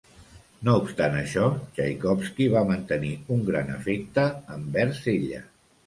No obstant això, Txaikovski va mantenir un gran afecte envers ella.